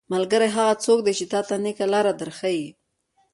ملګری هغه څوک دی چې تاته نيکه لاره در ښيي.